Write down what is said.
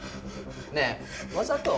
ねえわざと？